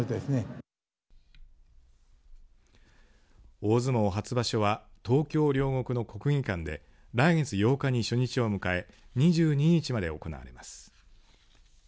大相撲初場所は東京、両国の国技館で来月８日に初日を迎え２２日まで行われます。